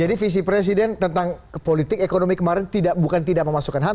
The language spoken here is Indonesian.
jadi visi presiden tentang politik ekonomi kemarin bukan tidak memasukkan ham